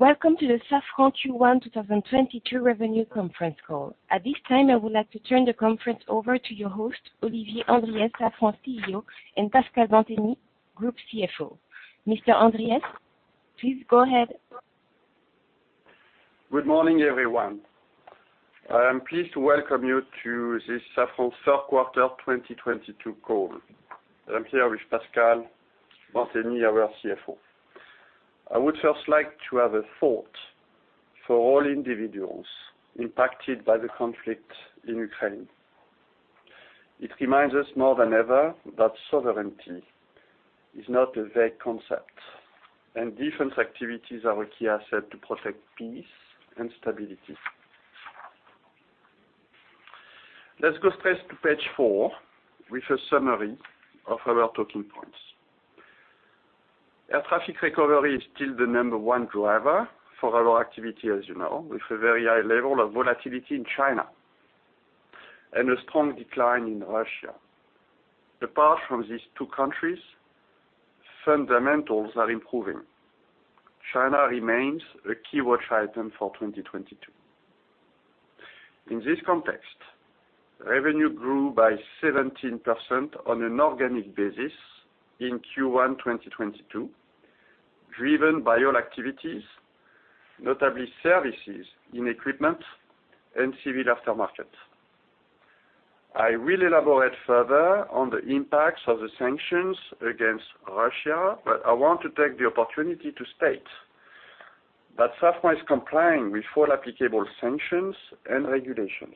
Welcome to the Safran Q1 2022 Revenue Conference Call. At this time, I would like to turn the conference over to your host, Olivier Andriès, Safran CEO, and Pascal Bantegnie, Group CFO. Mr. Andriès, please go ahead. Good morning, everyone. I am pleased to welcome you to this Safran third quarter 2022 call. I'm here with Pascal Bantegnie, our CFO. I would first like to have a thought for all individuals impacted by the conflict in Ukraine. It reminds us more than ever that sovereignty is not a vague concept, and different activities are a key asset to protect peace and stability. Let's go straight to page four with a summary of our talking points. Air traffic recovery is still the number one driver for our activity, as you know, with a very high level of volatility in China and a strong decline in Russia. Apart from these two countries, fundamentals are improving. China remains a key watch item for 2022. In this context, revenue grew by 17% on an organic basis in Q1 2022, driven by all activities, notably services in equipment and civil aftermarket. I will elaborate further on the impacts of the sanctions against Russia, but I want to take the opportunity to state that Safran is complying with all applicable sanctions and regulations.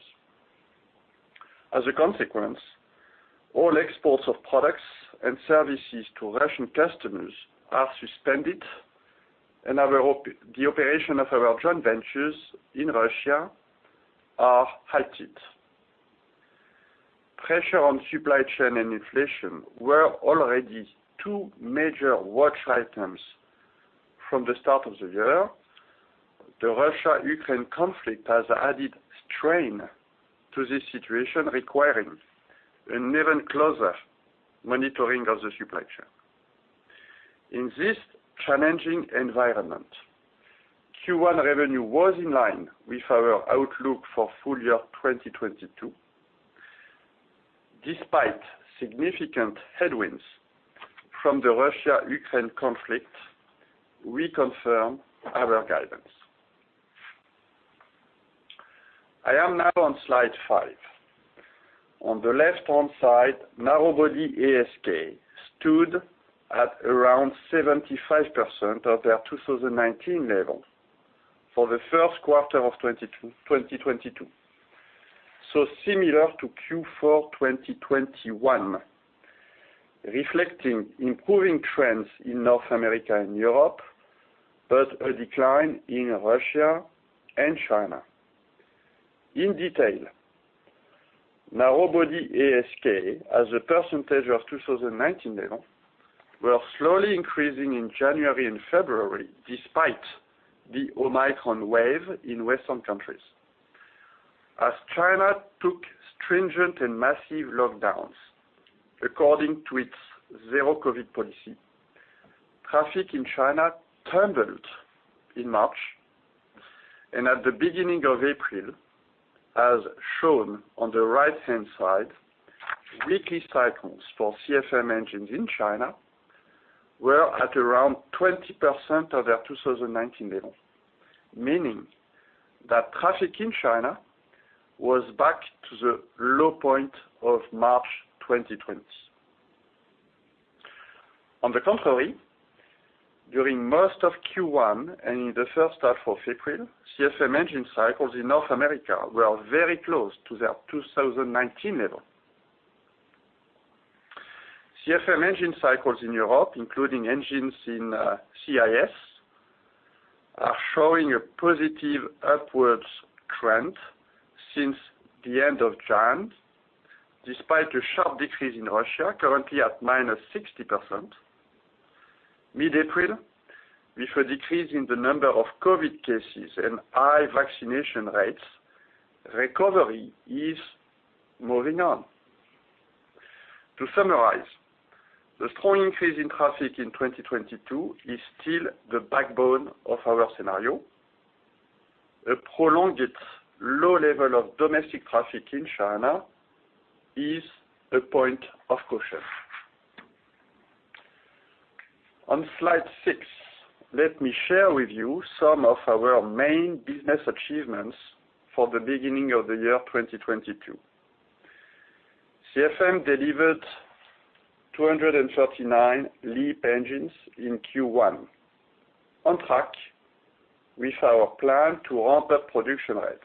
As a consequence, all exports of products and services to Russian customers are suspended, and the operation of our joint ventures in Russia are halted. Pressure on supply chain and inflation were already two major watch items from the start of the year. The Russia-Ukraine conflict has added strain to this situation, requiring an even closer monitoring of the supply chain. In this challenging environment, Q1 revenue was in line with our outlook for full year 2022. Despite significant headwinds from the Russia-Ukraine conflict, we confirm our guidance. I am now on slide five. On the left-hand side, narrowbody ASK stood at around 75% of their 2019 level for the first quarter of 2022. Similar to Q4 2021, reflecting improving trends in North America and Europe, but a decline in Russia and China. In detail, narrowbody ASK, as a percentage of 2019 level, were slowly increasing in January and February despite the Omicron wave in Western countries. As China took stringent and massive lockdowns according to its zero-COVID policy, traffic in China tumbled in March. At the beginning of April, as shown on the right-hand side, weekly cycles for CFM engines in China were at around 20% of their 2019 level, meaning that traffic in China was back to the low point of March 2020. On the contrary, during most of Q1 and in the first half of April, CFM engine cycles in North America were very close to their 2019 level. CFM engine cycles in Europe, including engines in CIS, are showing a positive upwards trend since the end of January, despite a sharp decrease in Russia, currently at -60%. Mid-April, with a decrease in the number of COVID cases and high vaccination rates, recovery is moving on. To summarize, the strong increase in traffic in 2022 is still the backbone of our scenario. A prolonged low level of domestic traffic in China is a point of caution. On slide six, let me share with you some of our main business achievements for the beginning of the year 2022. CFM delivered 239 LEAP engines in Q1, on track with our plan to ramp up production rates.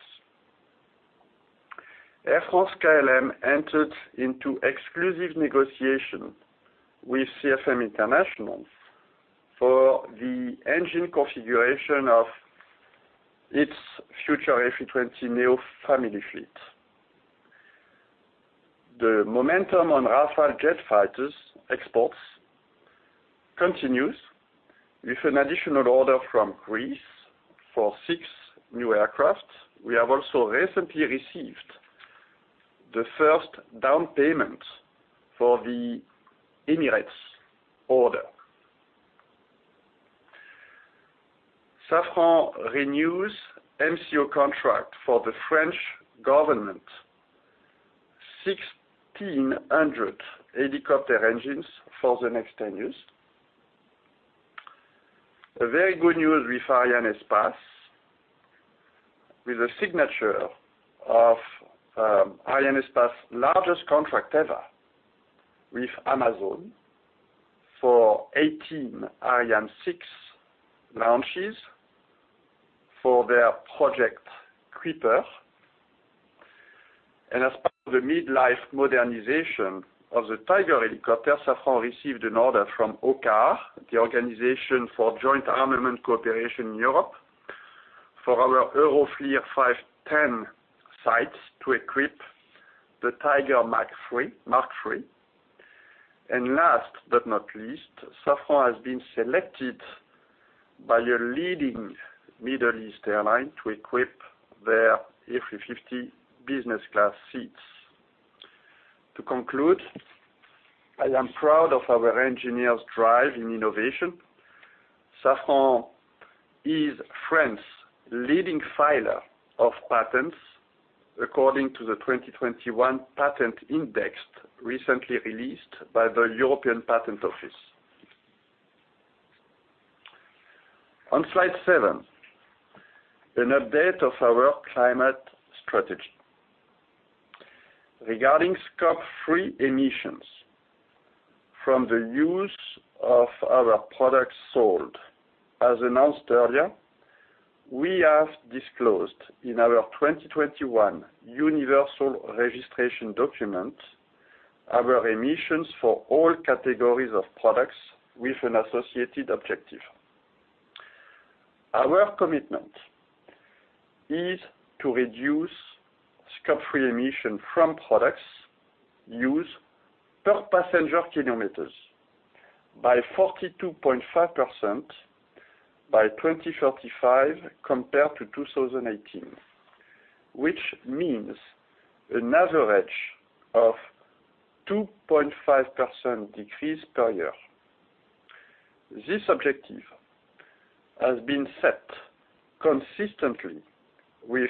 Air France-KLM entered into exclusive negotiation with CFM International for the engine configuration of its future A320neo family fleet. The momentum on Rafale jet fighters exports continues with an additional order from Greece for six new aircrafts. We have also recently received the first down payment for the Emirates order. Safran renews MCO contract for the French government, 1,600 helicopter engines for the next ten years. A very good news with Arianespace, with the signature of Arianespace's largest contract ever with Amazon for 18 Ariane 6 launches for their Project Kuiper. As part of the mid-life modernization of the Tiger helicopter, Safran received an order from OCCAR, the Organisation for Joint Armament Cooperation, Europe, for our Euroflir 510 sights to equip the Tiger Mark III. Last but not least, Safran has been selected by a leading Middle East airline to equip their A350 business class seats. To conclude, I am proud of our engineers' drive in innovation. Safran is France's leading filer of patents according to the 2021 Patent Index recently released by the European Patent Office. On slide seven, an update of our climate strategy. Regarding scope 3 emissions from the use of our products sold, as announced earlier, we have disclosed in our 2021 Universal Registration Document our emissions for all categories of products with an associated objective. Our commitment is to reduce scope 3 emissions from products used per passenger kilometers by 42.5% by 2035 compared to 2018, which means an average of 2.5% decrease per year. This objective has been set consistently with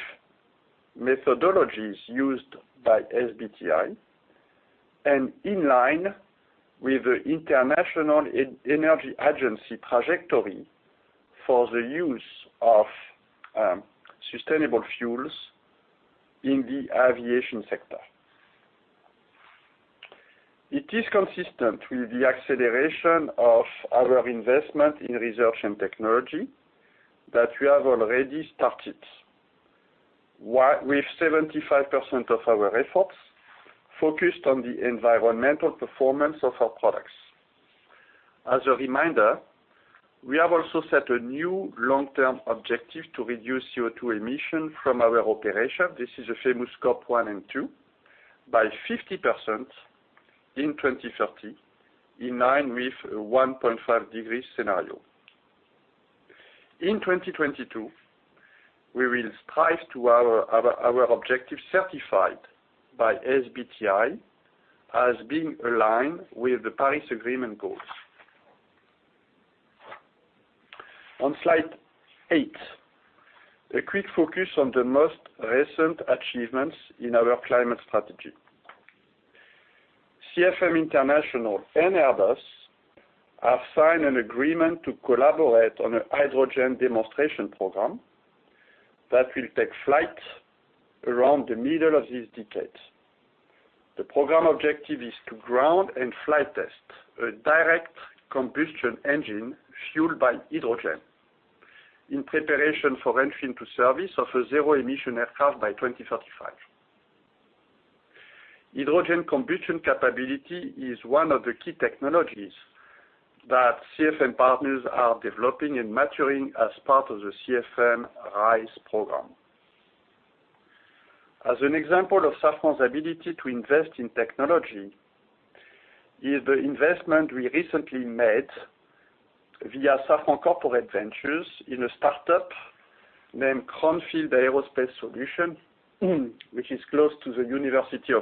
methodologies used by SBTi and in line with the International Energy Agency trajectory for the use of sustainable fuels in the aviation sector. It is consistent with the acceleration of our investment in research and technology that we have already started. With 75% of our efforts focused on the environmental performance of our products. As a reminder, we have also set a new long-term objective to reduce CO2 emissions from our operations, this is the famous scope 1 and 2, by 50% in 2030 in line with a 1.5-degree scenario. In 2022, we will strive to our objective certified by SBTi as being aligned with the Paris Agreement goals. On slide eight, a quick focus on the most recent achievements in our climate strategy. CFM International and Airbus have signed an agreement to collaborate on a hydrogen demonstration program that will take flight around the middle of this decade. The program objective is to ground and flight test a direct combustion engine fueled by hydrogen in preparation for entry into service of a zero-emission aircraft by 2035. Hydrogen combustion capability is one of the key technologies that CFM partners are developing and maturing as part of the CFM RISE program. As an example of Safran's ability to invest in technology is the investment we recently made via Safran Corporate Ventures in a start-up named Cranfield Aerospace Solutions, which is close to Cranfield University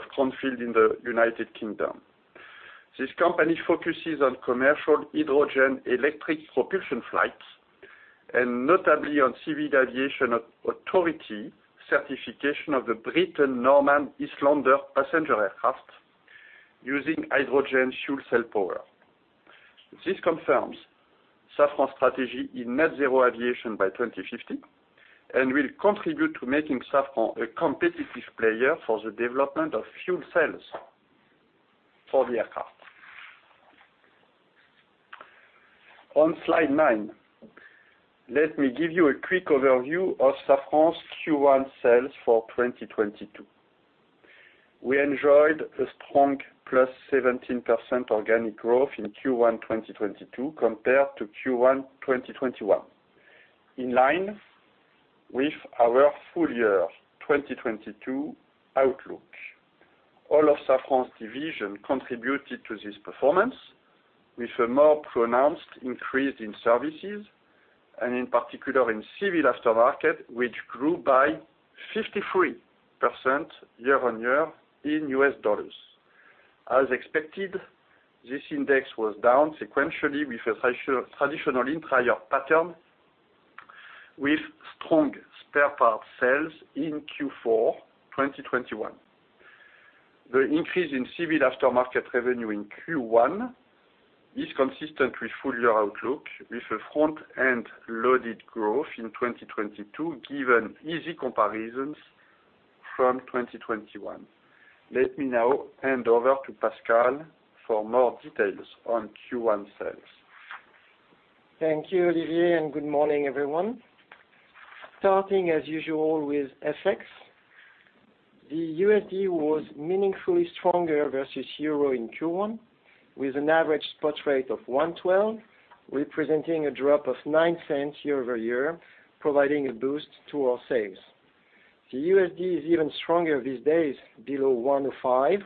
in the United Kingdom. This company focuses on commercial hydrogen-electric propulsion flights and notably on Civil Aviation Authority certification of the Britten-Norman Islander passenger aircraft using hydrogen fuel cell power. This confirms Safran's strategy in net zero aviation by 2050 and will contribute to making Safran a competitive player for the development of fuel cells for the aircraft. On slide nine, let me give you a quick overview of Safran's Q1 sales for 2022. We enjoyed a strong +17% organic growth in Q1 2022 compared to Q1 2021, in line with our full year 2022 outlook. All of Safran's divisions contributed to this performance, with a more pronounced increase in services, and in particular in civil aftermarket, which grew by 53% year-on-year in U.S. dollars. As expected, this intake was down sequentially with a traditional seasonal pattern with strong spare parts sales in Q4 2021. The increase in civil aftermarket revenue in Q1 is consistent with full-year outlook with a front-end-loaded growth in 2022, given easy comparisons from 2021. Let me now hand over to Pascal for more details on Q1 sales. Thank you, Olivier, and good morning, everyone. Starting as usual with FX. The USD was meaningfully stronger versus euro in Q1, with an average spot rate of 1.12, representing a drop of $0.09 year-over-year, providing a boost to our sales. The USD is even stronger these days below $1.05,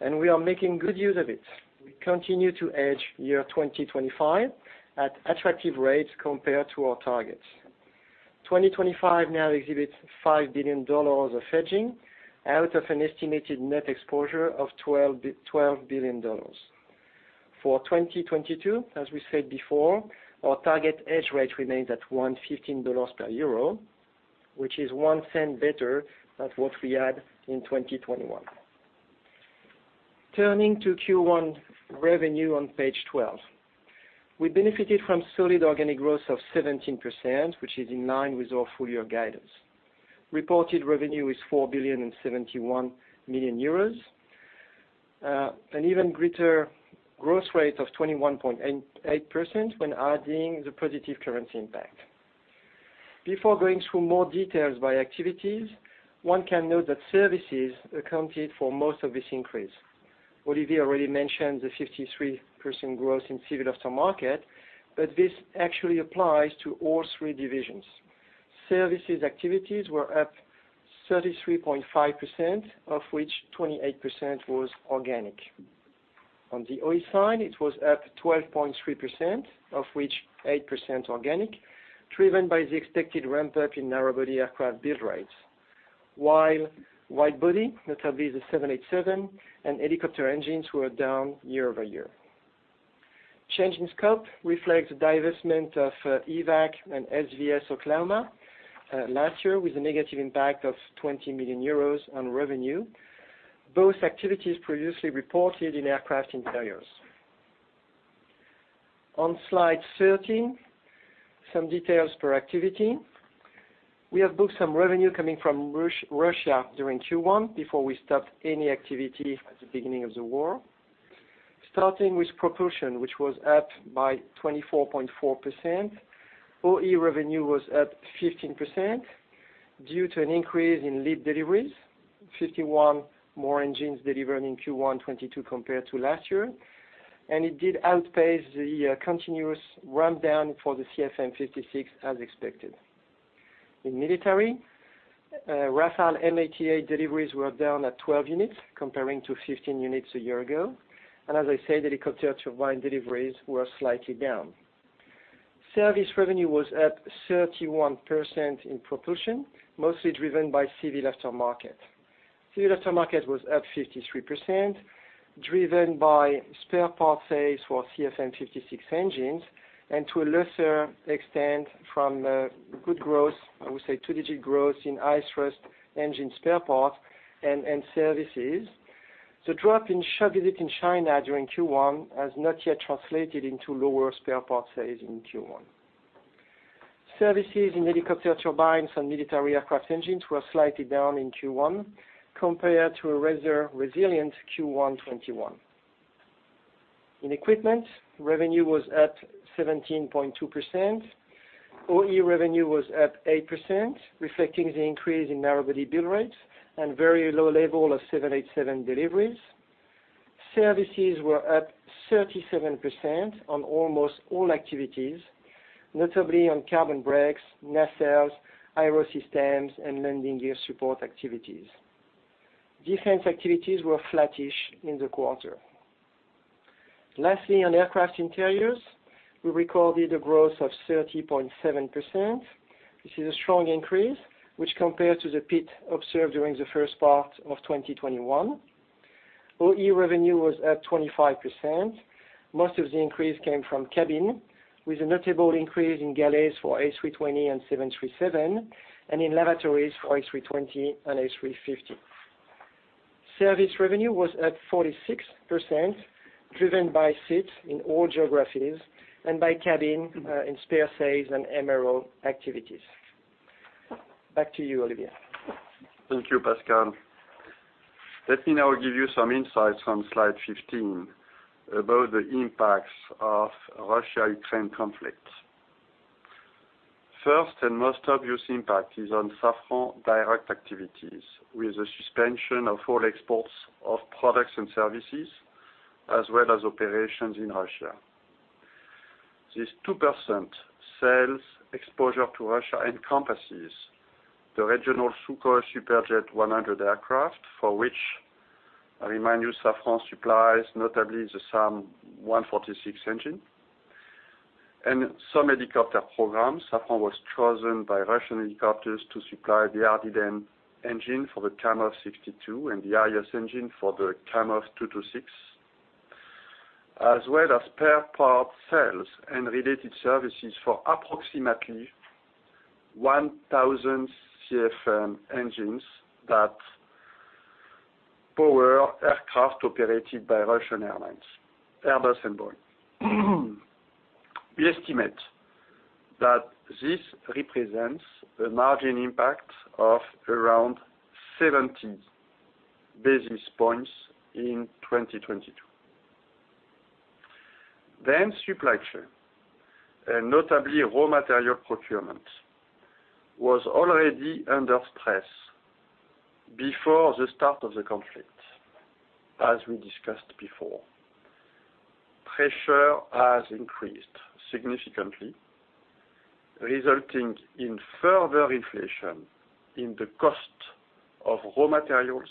and we are making good use of it. We continue to hedge year 2025 at attractive rates compared to our targets. 2025 now exhibits $5 billion of hedging out of an estimated net exposure of $12 billion. For 2022, as we said before, our target hedge rate remains at $1.15 per euro, which is $0.01 better than what we had in 2021. Turning to Q1 revenue on page 12. We benefited from solid organic growth of 17%, which is in line with our full year guidance. Reported revenue is 4.071 billion. An even greater growth rate of 21.8% when adding the positive currency impact. Before going through more details by activities, one can note that services accounted for most of this increase. Olivier already mentioned the 53% growth in civil aftermarket, but this actually applies to all three divisions. Services activities were up 33.5%, of which 28% was organic. On the OE side, it was up 12.3%, of which 8% organic, driven by the expected ramp-up in narrowbody aircraft build rates. While widebody, notably the 787 and helicopter engines were down year-over-year. Change in scope reflects the divestment of EVAC and SVS Oklahoma last year with a negative impact of 20 million euros on revenue. Both activities previously reported in aircraft interiors. On slide 13, some details per activity. We have booked some revenue coming from Russia during Q1 before we stopped any activity at the beginning of the war. Starting with propulsion, which was up by 24.4%. OE revenue was up 15% due to an increase in LEAP deliveries, 51 more engines delivered in Q1 2022 compared to last year. It did outpace the continuous rundown for the CFM56 as expected. In military, Rafale M88 deliveries were down at 12 units, comparing to 15 units a year ago. As I said, helicopter turbine deliveries were slightly down. Service revenue was up 31% in propulsion, mostly driven by civil aftermarket. Civil aftermarket was up 53%, driven by spare parts sales for CFM56 engines, and to a lesser extent, from good growth, I would say two-digit growth in high thrust engines spare parts and services. The drop in shipments in China during Q1 has not yet translated into lower spare parts sales in Q1. Services in helicopter turbines and military aircraft engines were slightly down in Q1 compared to a rather resilient Q1 2021. In equipment, revenue was up 17.2%. OE revenue was up 8%, reflecting the increase in narrow-body build rates and very low level of 787 deliveries. Services were up 37% on almost all activities, notably on carbon brakes, nacelles, aero systems and landing gear support activities. Defense activities were flattish in the quarter. Lastly, on aircraft interiors, we recorded a growth of 30.7%. This is a strong increase, which compared to the hit observed during the first part of 2021. OE revenue was at 25%. Most of the increase came from cabin, with a notable increase in galleys for A320 and 737, and in lavatories for A320 and A350. Service revenue was at 46%, driven by seats in all geographies and by cabin in spare sales and MRO activities. Back to you, Olivier. Thank you, Pascal. Let me now give you some insights on slide 15 about the impacts of Russia-Ukraine conflict. First and most obvious impact is on Safran direct activities with the suspension of all exports of products and services, as well as operations in Russia. This 2% sales exposure to Russia encompasses the regional Sukhoi Superjet 100 aircraft, for which I remind you, Safran supplies, notably the SaM146 engine. Some helicopter programs. Safran was chosen by Russian Helicopters to supply the Ardiden engine for the Kamov 62 and the Arrius engine for the Kamov 226, as well as spare parts sales and related services for approximately 1,000 CFM engines that power aircraft operated by Russian Airlines, Airbus, and Boeing. We estimate that this represents a margin impact of around 70 basis points in 2022. Supply chain, and notably raw material procurement, was already under stress before the start of the conflict, as we discussed before. Pressure has increased significantly, resulting in further inflation in the cost of raw materials,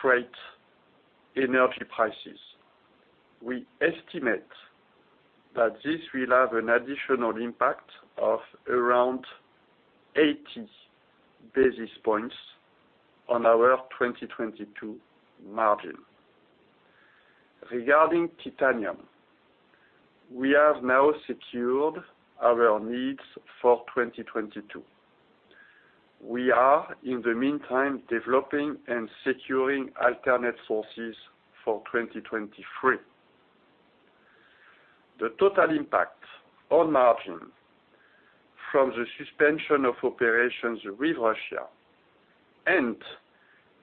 freight, energy prices. We estimate that this will have an additional impact of around 80 basis points on our 2022 margin. Regarding titanium, we have now secured our needs for 2022. We are, in the meantime, developing and securing alternate sources for 2023. The total impact on margin from the suspension of operations with Russia and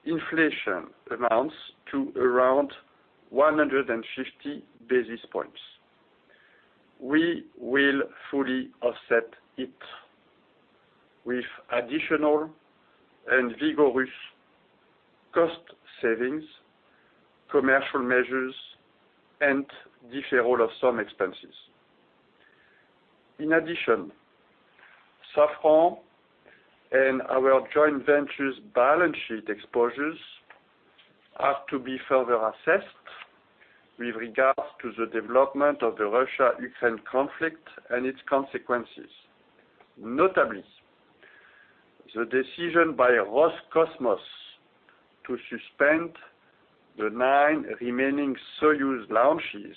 inflation amounts to around 150 basis points. We will fully offset it with additional and vigorous cost savings, commercial measures, and deferral of some expenses. In addition, Safran and our joint ventures balance sheet exposures are to be further assessed with regards to the development of the Russia-Ukraine conflict and its consequences. Notably, the decision by Roscosmos to suspend the nine remaining Soyuz launches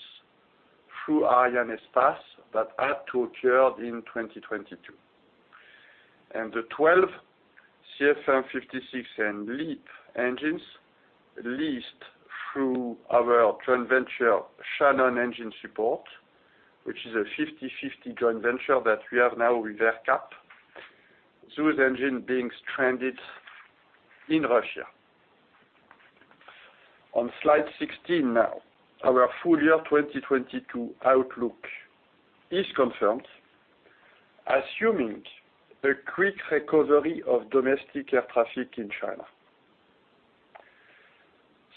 through Arianespace that had to occur in 2022, and the twelve CFM56 and LEAP engines leased through our joint venture, Shannon Engine Support, which is a 50/50 joint venture that we have now with AerCap. Those engines being stranded in Russia. On slide 16 now. Our full year 2022 outlook is confirmed, assuming a quick recovery of domestic air traffic in China.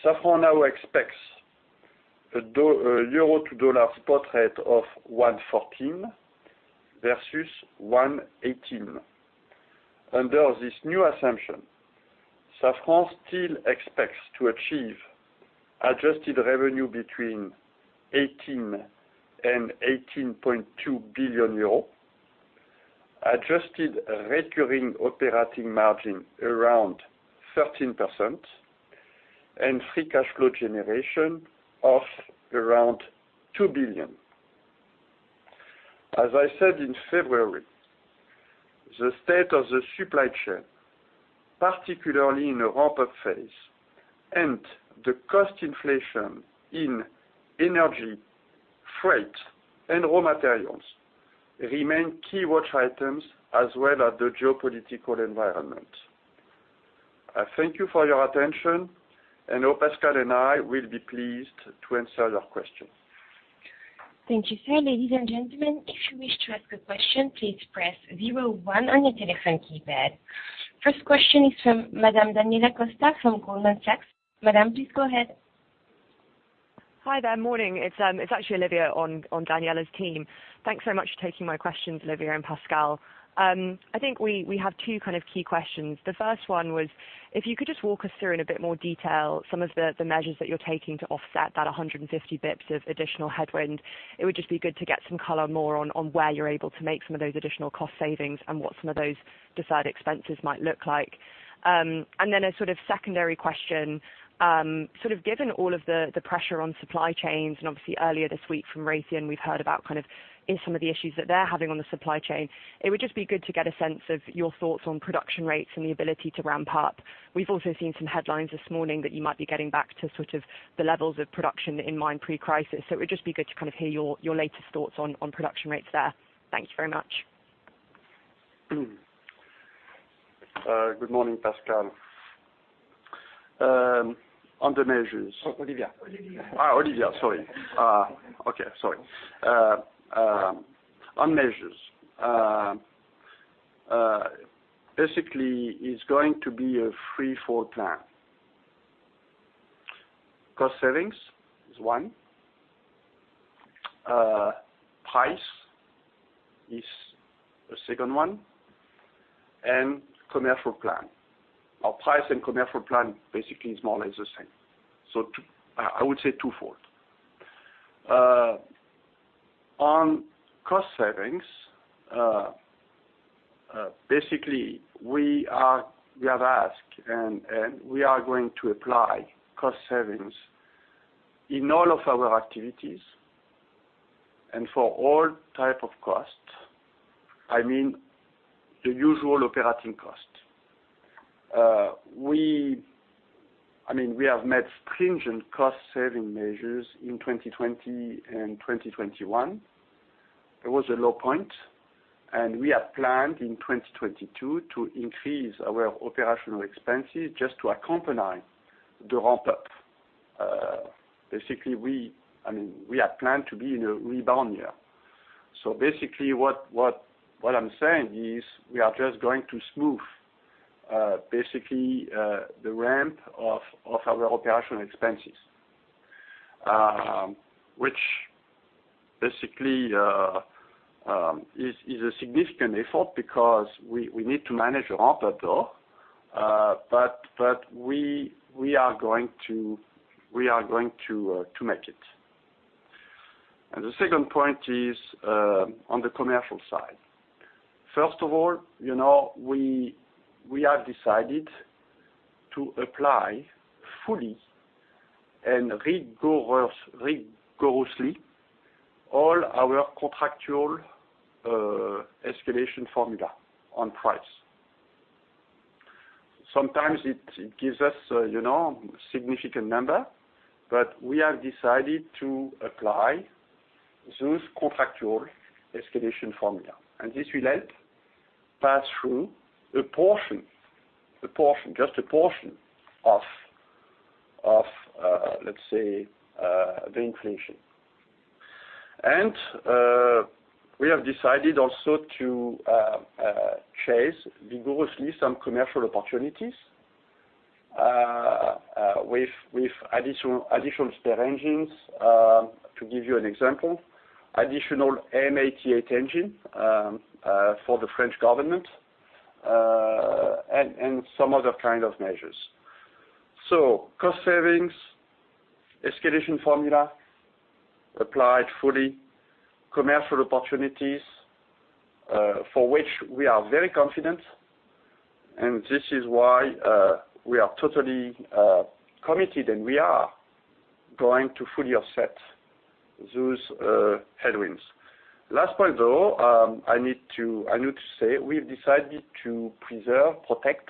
Safran now expects a euro to dollar spot rate of 1.14 versus 1.18. Under this new assumption, Safran still expects to achieve adjusted revenue between 18 billion and 18.2 billion euros, adjusted recurring operating margin around 13%, and free cash flow generation of around 2 billion. As I said in February, the state of the supply chain, particularly in a ramp-up phase, and the cost inflation in energy, freight, and raw materials remain key watch items as well as the geopolitical environment. I thank you for your attention and I know Pascal and I will be pleased to answer your questions. Thank you, sir. Ladies and gentlemen, if you wish to ask a question, please press zero one on your telephone keypad. First question is from Madame Daniela Costa from Goldman Sachs. Madame, please go ahead. Hi there. Morning. It's actually Olivia on Daniela's team. Thanks so much for taking my questions, Olivier and Pascal. I think we have two kind of key questions. The first one was if you could just walk us through in a bit more detail some of the measures that you're taking to offset that 150 basis points of additional headwind. It would just be good to get some more color on where you're able to make some of those additional cost savings and what some of those deferred expenses might look like. Then a sort of secondary question, sort of given all of the pressure on supply chains and obviously earlier this week from Raytheon, we've heard about kind of in some of the issues that they're having on the supply chain. It would just be good to get a sense of your thoughts on production rates and the ability to ramp up. We've also seen some headlines this morning that you might be getting back to sort of the levels of production in mind pre-crisis. It would just be good to kind of hear your latest thoughts on production rates there. Thank you very much. Good morning, Pascal. On the measures- Olivia. Olivia. On measures, basically it's going to be a three-fold plan. Cost savings is one, price is a second one, and commercial plan. Our price and commercial plan basically is more or less the same. Two. I would say twofold. On cost savings, basically we have asked and we are going to apply cost savings in all of our activities and for all type of costs, I mean, the usual operating costs. I mean, we have made stringent cost saving measures in 2020 and 2021. It was a low point, and we had planned in 2022 to increase our operational expenses just to accompany the ramp up. Basically, I mean, we had planned to be in a rebound year. Basically, what I'm saying is we are just going to smooth basically the ramp of our operational expenses, which basically is a significant effort because we need to manage the ramp up though, but we are going to make it. The second point is on the commercial side. First of all, you know, we have decided to apply fully and rigorously all our contractual escalation formula on price. Sometimes it gives us, you know, significant number, but we have decided to apply those contractual escalation formula. This will help pass through a portion, just a portion of, let's say, the inflation. We have decided also to chase vigorously some commercial opportunities with additional spare engines, to give you an example, additional M88 engine for the French government, and some other kind of measures. Cost savings, escalation formula applied fully, commercial opportunities for which we are very confident, and this is why we are totally committed, and we are going to fully offset those headwinds. Last point, though, I need to say we've decided to preserve, protect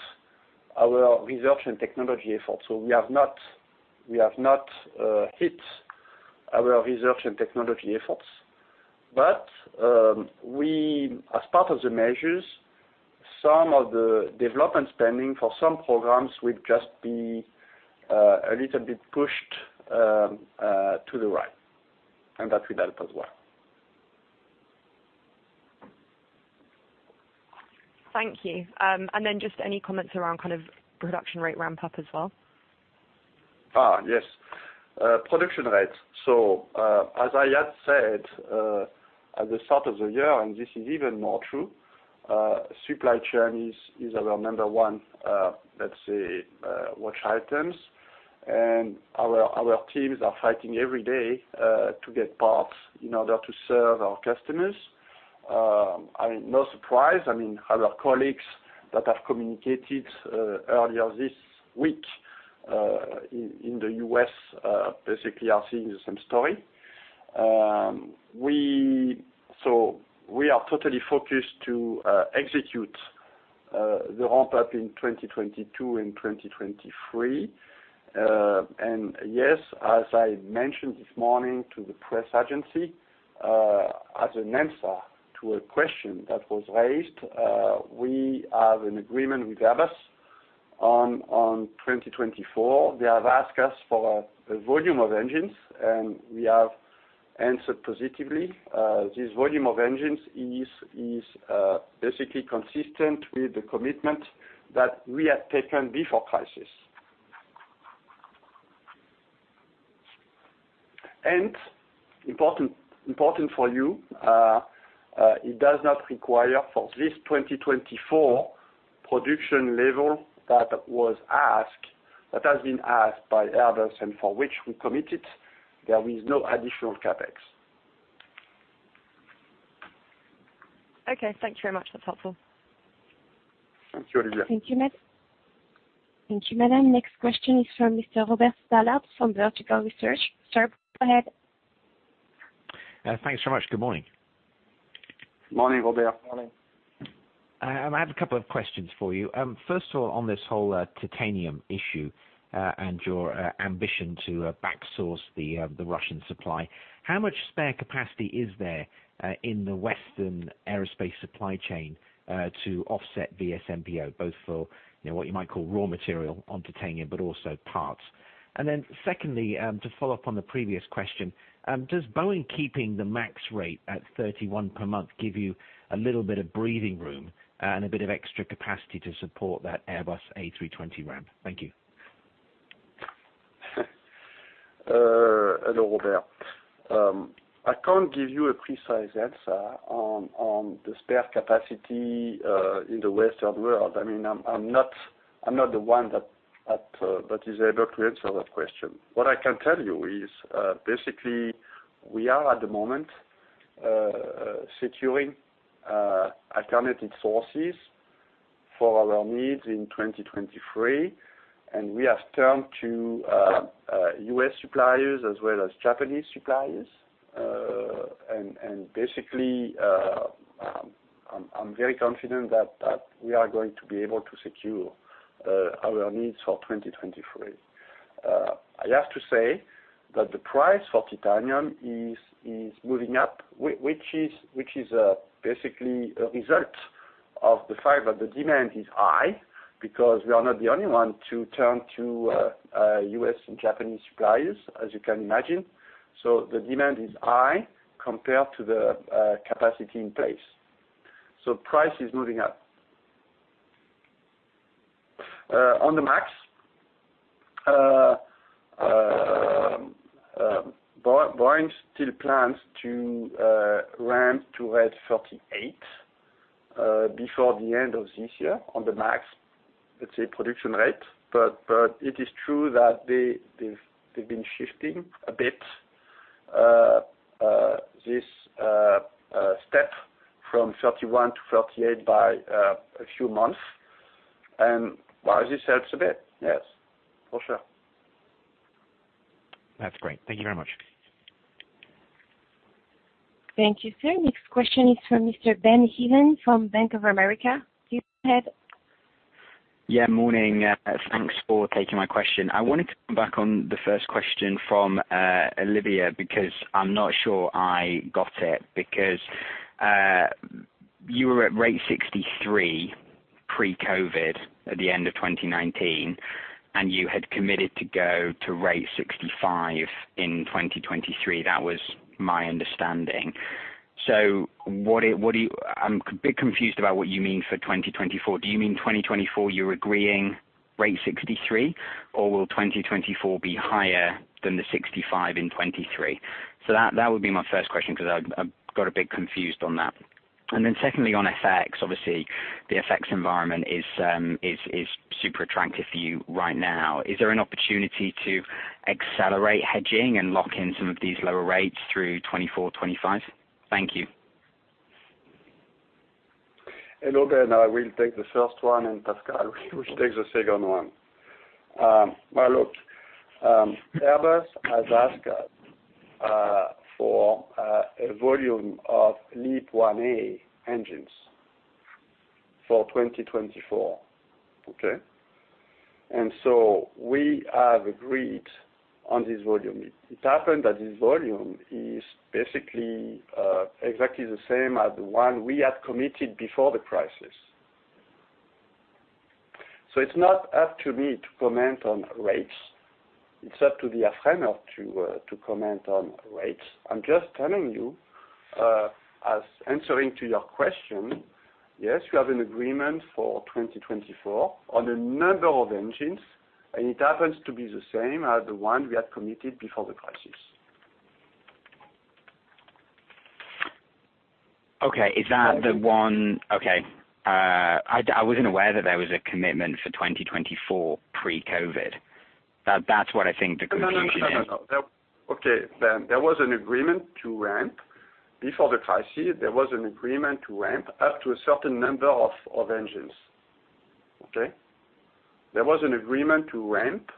our research and technology efforts. We have not hit our research and technology efforts. We, as part of the measures, some of the development spending for some programs will just be a little bit pushed to the right, and that will help as well. Thank you. Just any comments around kind of production rate ramp up as well? Yes. Production rate. As I had said at the start of the year, and this is even more true, supply chain is our number one, let's say, watch item. Our teams are fighting every day to get parts in order to serve our customers. I mean, no surprise. I mean, other colleagues that have communicated earlier this week in the U.S. basically are seeing the same story. We are totally focused to execute the ramp up in 2022 and 2023. Yes, as I mentioned this morning to the press agency, as an answer to a question that was raised, we have an agreement with Airbus on 2024. They have asked us for a volume of engines, and we have answered positively. This volume of engines is basically consistent with the commitment that we had taken before crisis. Important for you, it does not require for this 2024 production level that was asked, that has been asked by Airbus and for which we committed, there is no additional CapEx. Okay. Thank you very much. That's helpful. Thank you, Olivia. Thank you, ma'am. Thank you, madam. Next question is from Mr. Robert Stallard from Vertical Research. Sir, go ahead. Thanks very much. Good morning. Morning, Robert. Morning. I have a couple of questions for you. First of all, on this whole titanium issue, and your ambition to back source the Russian supply, how much spare capacity is there in the Western aerospace supply chain to offset the VSMPO, both for, you know, what you might call raw material on titanium but also parts? Secondly, to follow up on the previous question, does Boeing keeping the MAX rate at 31 per month give you a little bit of breathing room, and a bit of extra capacity to support that Airbus A320 ramp? Thank you. Hello there. I can't give you a precise answer on the spare capacity in the Western world. I mean, I'm not the one that is able to answer that question. What I can tell you is, basically, we are at the moment securing alternative sources for our needs in 2023, and we have turned to U.S. suppliers as well as Japanese suppliers. Basically, I'm very confident that we are going to be able to secure our needs for 2023. I have to say that the price for titanium is moving up, which is basically a result of the fact that the demand is high because we are not the only one to turn to U.S. and Japanese suppliers, as you can imagine. The demand is high compared to the capacity in place. Price is moving up. On the MAX, Boeing still plans to ramp to rate 38 before the end of this year on the MAX, let's say production rate. It is true that they've been shifting a bit this step from 31 to 38 by a few months. Well, this helps a bit, yes, for sure. That's great. Thank you very much. Thank you, sir. Next question is from Mr. Ben Heelan from Bank of America. Please go ahead. Yeah, morning. Thanks for taking my question. I wanted to come back on the first question from Olivia, because I'm not sure I got it. Because you were at rate 63 pre-COVID at the end of 2019, and you had committed to go to rate 65 in 2023. That was my understanding. What do you mean for 2024? I'm a bit confused about that. Do you mean 2024, you're agreeing rate 63, or will 2024 be higher than the 65 in 2023? That would be my first question because I got a bit confused on that. Then secondly, on FX, obviously the FX environment is super attractive for you right now. Is there an opportunity to accelerate hedging and lock in some of these lower rates through 2024, 2025? Thank you. Hello Ben, I will take the first one, and Pascal will take the second one. Well, look, Airbus has asked for a volume of LEAP-1A engines for 2024. Okay. We have agreed on this volume. It happened that this volume is basically exactly the same as the one we had committed before the crisis. It's not up to me to comment on rates. It's up to the airframer to comment on rates. I'm just telling you, in answering to your question, yes, we have an agreement for 2024 on a number of engines, and it happens to be the same as the one we had committed before the crisis. Okay. Is that the one? Okay. I wasn't aware that there was a commitment for 2024 pre-COVID. That's what I think the confusion is. No, no, no, no. Okay. Ben, there was an agreement to ramp. Before the crisis, there was an agreement to ramp up to a certain number of engines. Okay? There was an agreement to ramp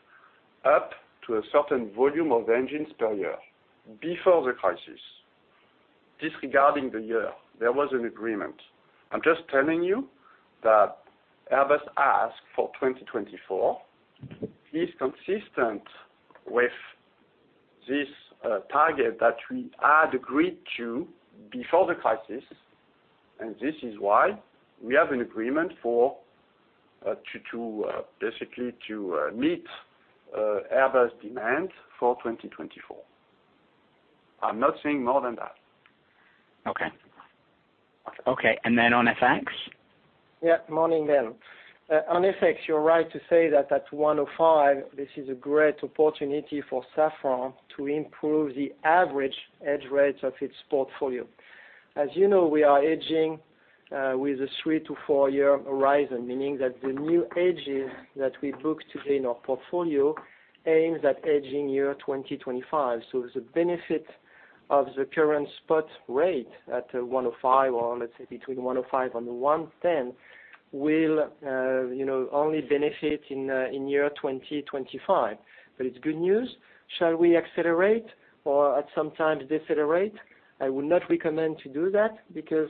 up to a certain volume of engines per year before the crisis. Disregarding the year, there was an agreement. I'm just telling you that Airbus ask for 2024 is consistent with this target that we had agreed to before the crisis, and this is why we have an agreement to basically meet Airbus demand for 2024. I'm not saying more than that. Okay. Okay, and then on FX? Yeah, morning Ben. On FX, you're right to say that at 1.05, this is a great opportunity for Safran to improve the average hedge rates of its portfolio. As you know, we are hedging with a three to four year horizon, meaning that the new hedges that we book today in our portfolio aims at hedging year 2025. The benefit of the current spot rate at 1.05, or let's say between 1.05 and 1.10 will, you know, only benefit in year 2025. It's good news. Shall we accelerate or at some time decelerate? I would not recommend to do that because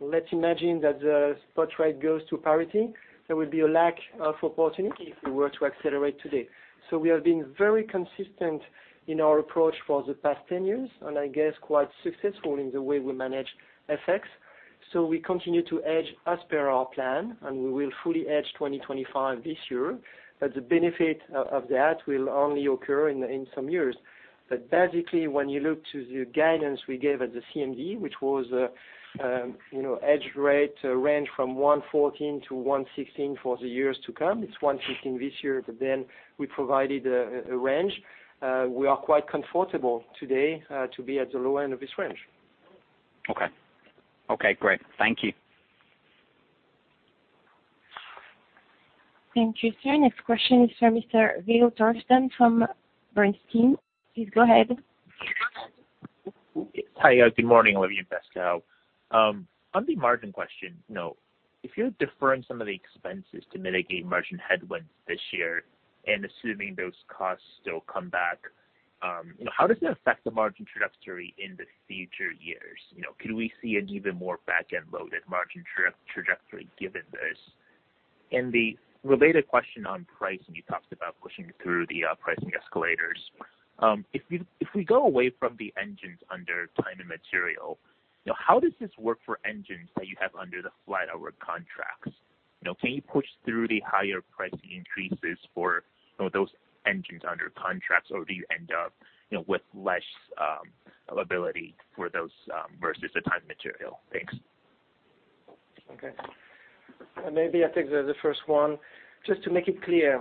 let's imagine that the spot rate goes to parity, there will be a lack of opportunity if we were to accelerate today. We have been very consistent in our approach for the past ten years, and I guess quite successful in the way we manage FX. We continue to hedge as per our plan, and we will fully hedge 2025 this year. The benefit of that will only occur in some years. Basically, when you look to the guidance we gave at the CMD, which was exchange rate range from 1.14-1.16 for the years to come, it's 1.16 this year, but then we provided a range. We are quite comfortable today to be at the low end of this range. Okay. Okay, great. Thank you. Thank you, sir. Next question is from Mr. Adrien Rabier from Bernstein. Please go ahead. Hi. Good morning, Olivier and Pascal. On the margin question, you know, if you're deferring some of the expenses to mitigate margin headwinds this year, and assuming those costs still come back, you know, how does it affect the margin trajectory in the future years? You know, could we see an even more back-end loaded margin trajectory given this? The related question on pricing, you talked about pushing through the pricing escalators. If we go away from the engines under time and material, you know, how does this work for engines that you have under the flat hour contracts? You know, can you push through the higher price increases for those engines under contracts, or do you end up, you know, with less ability for those versus the time material? Thanks. Okay. Maybe I take the first one. Just to make it clear,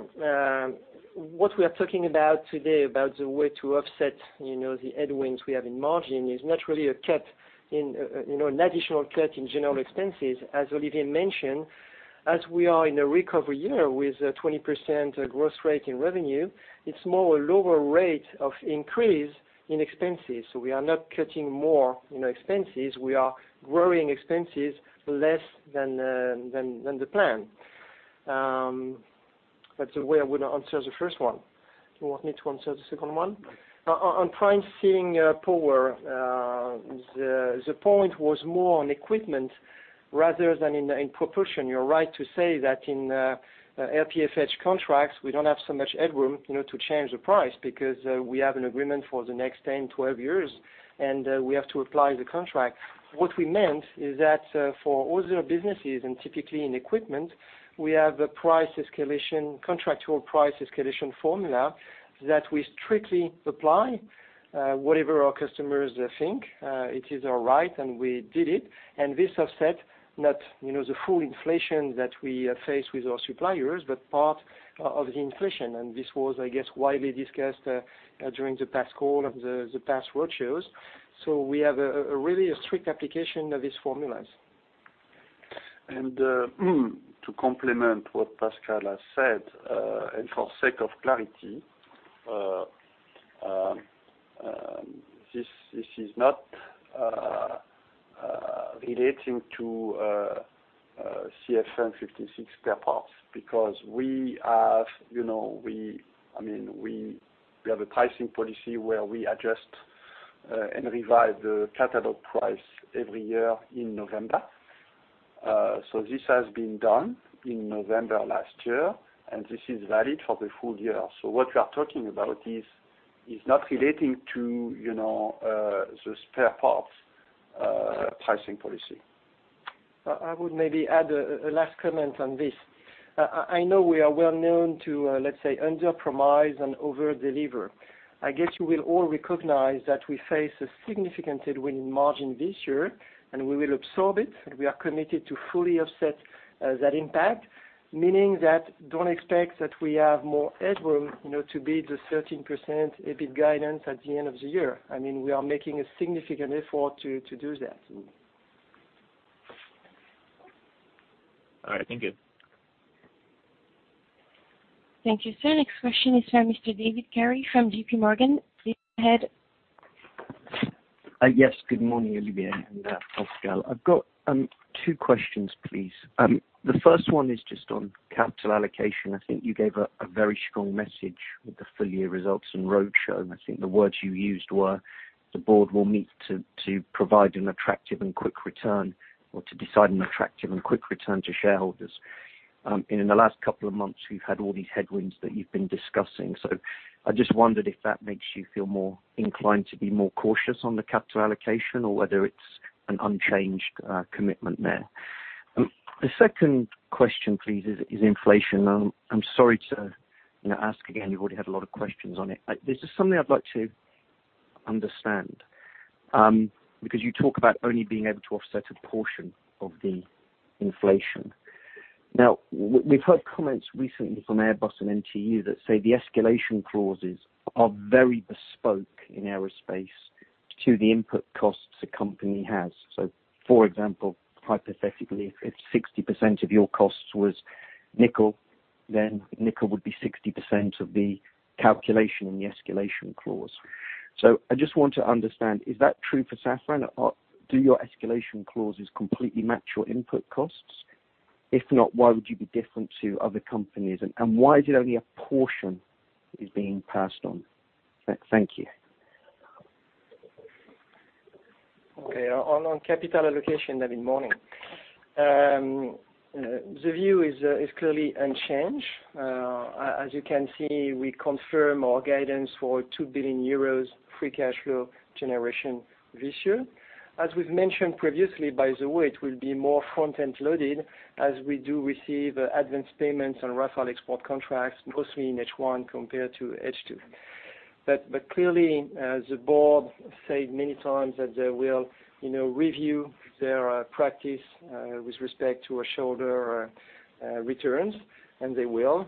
what we are talking about today about the way to offset, you know, the headwinds we have in margin is not really a cut in, you know, an additional cut in general expenses. As Olivier mentioned, as we are in a recovery year with a 20% growth rate in revenue, it's more a lower rate of increase in expenses. We are not cutting more, you know, expenses. We are growing expenses less than than the plan. That's the way I would answer the first one. You want me to answer the second one? On pricing power, the point was more on equipment rather than in proportion. You're right to say that in RPFH contracts, we don't have so much headroom, you know, to change the price because we have an agreement for the next 10, 12 years, and we have to apply the contract. What we meant is that for all other businesses, and typically in equipment, we have a price escalation, contractual price escalation formula that we strictly apply whatever our customers think. It is our right, and we did it. This offsets not, you know, the full inflation that we face with our suppliers, but part of the inflation. This was, I guess, widely discussed during the past call of the past roadshows. We have a really strict application of these formulas. To complement what Pascal has said, and for sake of clarity, this is not relating to CFM56 spare parts because we have, you know, I mean, we have a pricing policy where we adjust and revise the catalog price every year in November. This has been done in November last year, and this is valid for the full year. What we are talking about is not relating to, you know, the spare parts pricing policy. I would maybe add a last comment on this. I know we are well known to, let's say, underpromise and overdeliver. I guess you will all recognize that we face a significant headwind in margin this year, and we will absorb it, and we are committed to fully offset that impact. Meaning that don't expect that we have more headroom, you know, to beat the 13% EBIT guidance at the end of the year. I mean, we are making a significant effort to do that. All right. Thank you. Thank you, sir. Next question is from Mr. David Perry from JPMorgan. Please go ahead. Yes, good morning, Olivier and Pascal. I've got two questions, please. The first one is just on capital allocation. I think you gave a very strong message with the full year results and roadshow. I think the words you used were, "The board will meet to provide an attractive and quick return or to decide an attractive and quick return to shareholders." In the last couple of months, you've had all these headwinds that you've been discussing. I just wondered if that makes you feel more inclined to be more cautious on the capital allocation or whether it's an unchanged commitment there. The second question, please, is inflation. I'm sorry to, you know, ask again. You've already had a lot of questions on it. This is something I'd like to understand, because you talk about only being able to offset a portion of the inflation. Now, we've heard comments recently from Airbus and MTU that say the escalation clauses are very bespoke in aerospace to the input costs a company has. So for example, hypothetically, if 60% of your costs was nickel, then nickel would be 60% of the calculation in the escalation clause. So I just want to understand, is that true for Safran? Or do your escalation clauses completely match your input costs? If not, why would you be different to other companies, and why is it only a portion is being passed on? Thank you. On capital allocation, David, morning. The view is clearly unchanged. As you can see, we confirm our guidance for 2 billion euros free cash flow generation this year. As we've mentioned previously, by the way, it will be more front-end loaded as we do receive advance payments on Rafale export contracts, mostly in H1 compared to H2. Clearly, as the board said many times that they will, you know, review their practice with respect to our shareholder returns, and they will.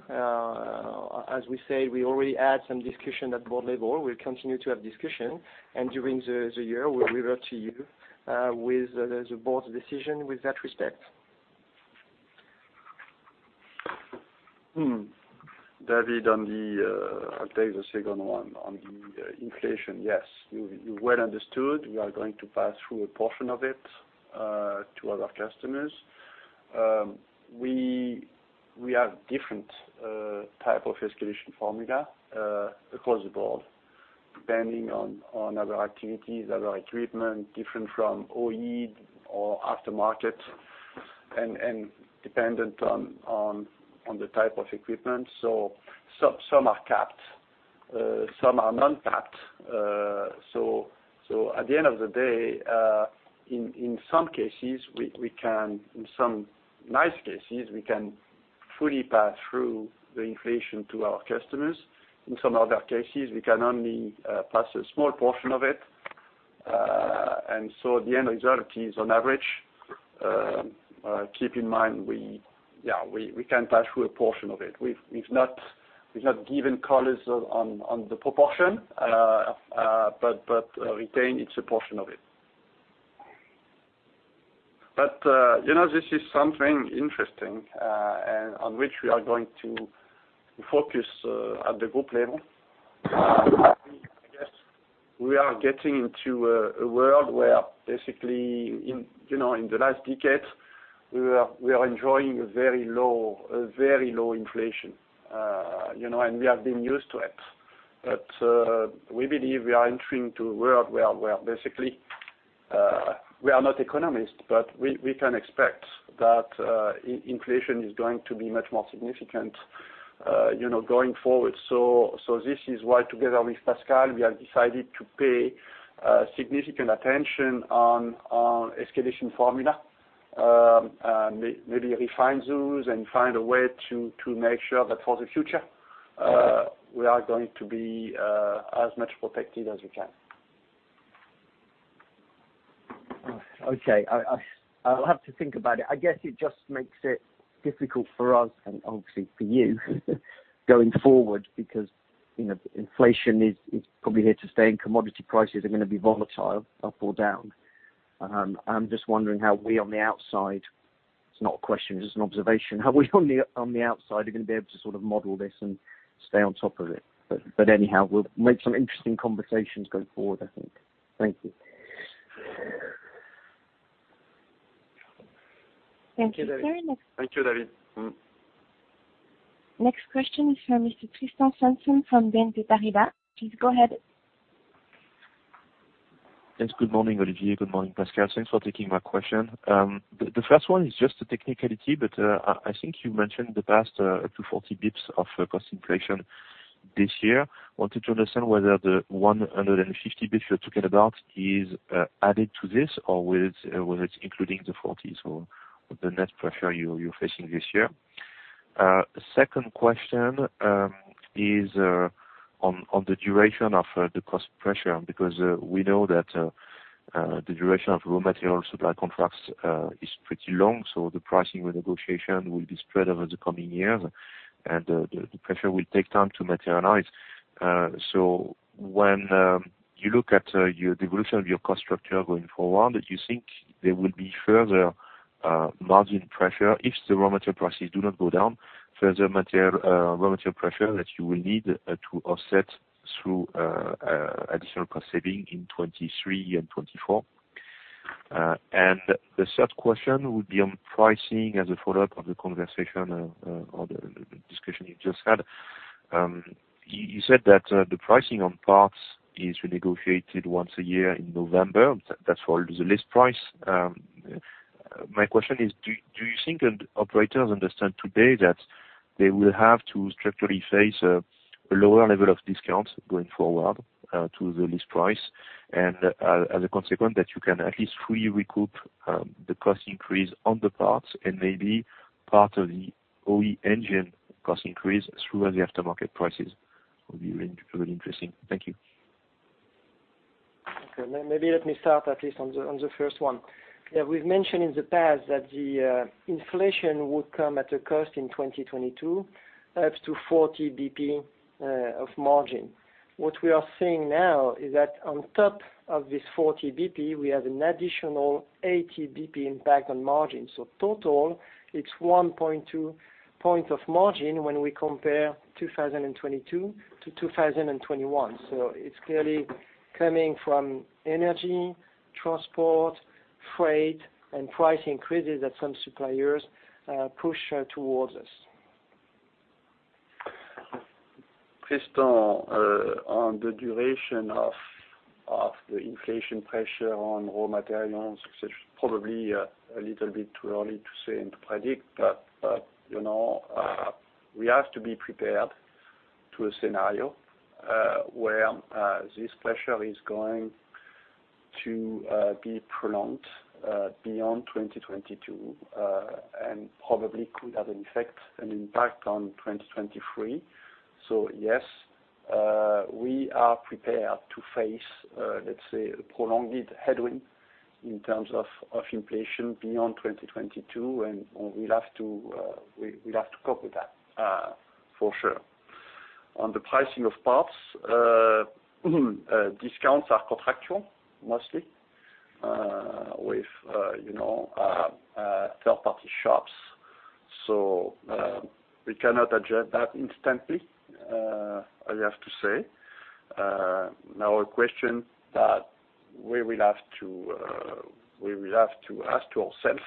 As we said, we already had some discussion at board level. We'll continue to have discussion, and during the year, we'll revert to you with the Board's decision with that respect. David, on the, I'll take the second one on the inflation. Yes. You well understood. We are going to pass through a portion of it to our customers. We have different type of escalation formula across the Board, depending on other activities, other treatment, different from OE or aftermarket and dependent on the type of equipment. Some are capped, some are non-capped. At the end of the day, in some cases, in some nice cases, we can fully pass through the inflation to our customers. In some other cases, we can only pass a small portion of it. The end result is on average, keep in mind, we can pass through a portion of it. We've not given colors on the proportion, but again, it's a portion of it. You know, this is something interesting, and on which we are going to focus at the group level. I guess we are getting into a world where basically in the last decade, we are enjoying a very low inflation, you know, and we have been used to it. We believe we are entering to a world where basically we are not economists, but we can expect that inflation is going to be much more significant, you know, going forward. So, this is why together with Pascal, we have decided to pay significant attention on escalation formula, and maybe refine those and find a way to make sure that for the future, we are going to be as much protected as we can. Okay. I'll have to think about it. I guess it just makes it difficult for us and obviously for you going forward because, you know, inflation is probably here to stay, and commodity prices are gonna be volatile, up or down. I'm just wondering how we on the outside are gonna be able to sort of model this and stay on top of it. It's not a question, it's just an observation. Anyhow, we'll make some interesting conversations going forward, I think. Thank you. Thank you, David. Thank you, David. Next question is from Mr. Tristan Sanson from BNP Paribas. Please go ahead. Yes. Good morning, Olivier. Good morning, Pascal. Thanks for taking my question. The first one is just a technicality, but I think you mentioned up to 40 basis points of cost inflation this year. Wanted to understand whether the 150 basis points you're talking about is added to this, or whether it's including the 40 basis points. So the net pressure you're facing this year. Second question is on the duration of the cost pressure, because we know that the duration of raw material supply contracts is pretty long, so the pricing renegotiation will be spread over the coming years, and the pressure will take time to materialize. When you look at the growth of your cost structure going forward, do you think there will be further margin pressure if the raw material prices do not go down, further raw material pressure that you will need to offset through additional cost saving in 2023 and 2024? The third question would be on pricing as a follow-up on the conversation or the discussion you just had. You said that the pricing on parts is renegotiated once a year in November. That's for the list price. My question is do you think that operators understand today that they will have to structurally face a lower level of discounts going forward to the list price, and as a consequence, that you can at least fully recoup the cost increase on the parts and maybe part of the OE engine cost increase through the aftermarket prices? Would be really interesting. Thank you. Maybe let me start at least on the first one. We've mentioned in the past that the inflation would come at a cost in 2022, up to 40 basis points of margin. What we are seeing now is that on top of this 40 basis points, we have an additional 80 basis points impact on margin. Total, it's 1.2 points of margin when we compare 2022 to 2021. It's clearly coming from energy, transport, freight, and price increases that some suppliers push towards us. Tristan, on the duration of the inflation pressure on raw materials, it's probably a little bit too early to say and to predict. You know, we have to be prepared to a scenario where this pressure is going to be prolonged beyond 2022, and probably could have an effect, an impact on 2023. Yes, we are prepared to face, let's say, a prolonged headwind in terms of inflation beyond 2022, and we'll have to cope with that, for sure. On the pricing of parts, discounts are contractual mostly with you know, third-party shops. We cannot adjust that instantly, I have to say. Now a question that we will have to ask ourselves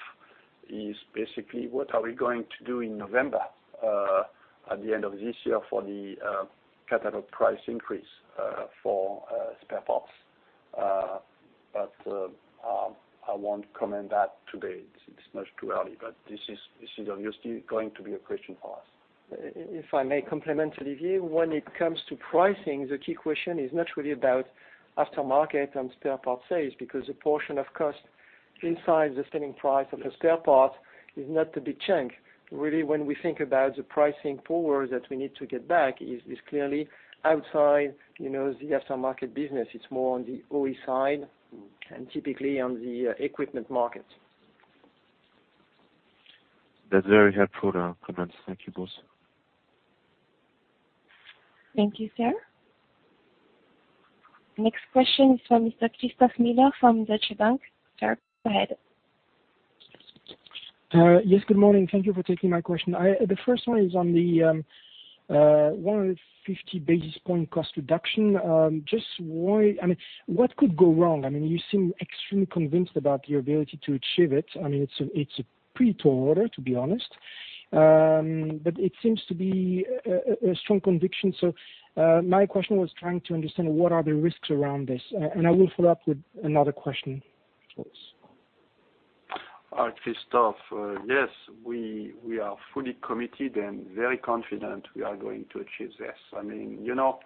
is basically what are we going to do in November, at the end of this year for the catalog price increase for spare parts? I won't comment that today. It's much too early, but this is obviously going to be a question for us. If I may comment, Olivier, when it comes to pricing, the key question is not really about aftermarket and spare part sales because a portion of cost inside the selling price of the spare part is not a big chunk. Really when we think about the pricing power that we need to get back is clearly outside, you know, the aftermarket business. It's more on the OE side and typically on the equipment market. That's very helpful, comments. Thank you both. Thank you, sir. Next question is from Mr. Christophe Menard from Deutsche Bank. Sir, go ahead. Yes, good morning. Thank you for taking my question. The first one is on the 150 basis point cost reduction. Just, I mean, what could go wrong? I mean, you seem extremely convinced about your ability to achieve it. I mean, it's a pretty tall order, to be honest. But it seems to be a strong conviction. My question was trying to understand what are the risks around this. And I will follow up with another question for us. All right, Christophe. Yes, we are fully committed and very confident we are going to achieve this. I mean, you know,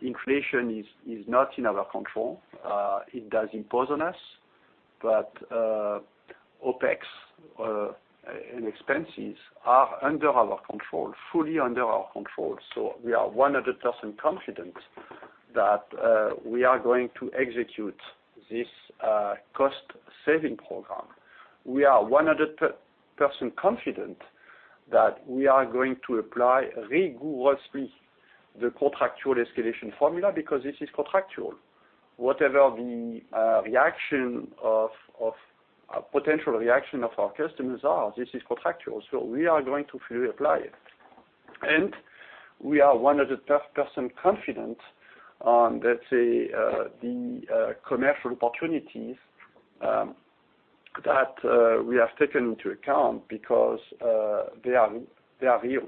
inflation is not in our control. It does impose on us. OpEx and expenses are under our control, fully under our control. We are 100% confident that we are going to execute this cost saving program. We are 100% confident that we are going to apply rigorously the contractual escalation formula because this is contractual. Whatever the potential reaction of our customers is, this is contractual, so we are going to fully apply it. We are 100% confident on, let's say, the commercial opportunities that we have taken into account because they are real.